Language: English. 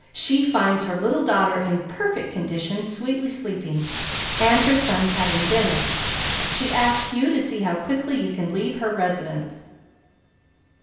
She finds her little daughter in perfect condition, sweetly sleeping, and her sons having dinner. She asks you to see how quickly you can leave her residence.'